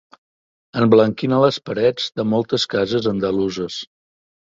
Emblanquina les parets de moltes cases andaluses.